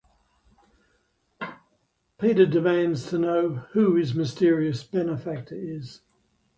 Peter demands to know who his mysterious benefactor is.